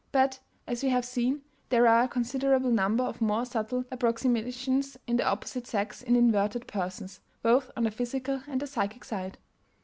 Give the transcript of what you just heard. But, as we have seen, there are a considerable number of more subtle approximations to the opposite sex in inverted persons, both on the physical and the psychic side.